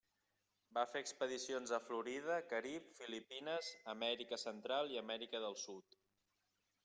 Va fer expedicions a Florida, Carib, Filipines, Amèrica Central i Amèrica del Sud.